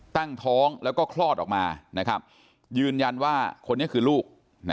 ตั้งท้องแล้วก็คลอดออกมายืนยันว่าคนนี้คือลูก